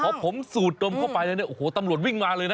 เพราะผมสูดดมเข้าไปแล้วตำรวจวิ่งมาเลยนะ